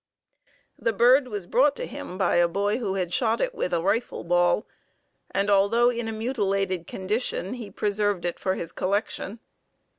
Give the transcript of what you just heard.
The bird was brought to him by a boy who had shot it with a rifle ball, and although in a mutilated condition he preserved it for his collection.